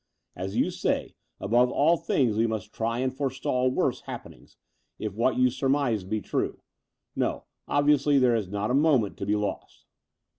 As you say, above all things we must try and forestall worse happenings, if what you surmise be true. No, obviously there is not a moment to be lost."